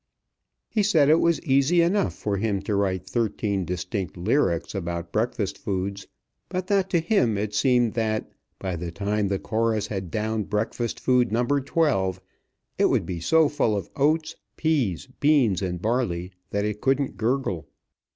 He said it was easy enough for him to write thirteen distinct lyrics about breakfast foods, but that to him it seemed that by the time the chorus had downed breakfast food number twelve, it would be so full of oats, peas, beans, and barley that it couldn't gurgle.